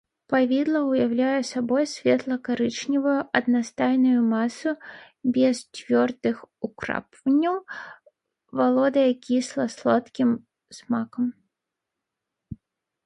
Павідла ўяўляе сабой светла-карычневую аднастайную масу без цвёрдых украпванняў, валодае кісла-салодкім смакам.